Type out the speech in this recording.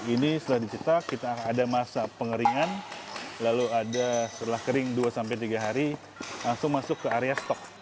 ini setelah dicetak kita ada masa pengeringan lalu ada setelah kering dua sampai tiga hari langsung masuk ke area stok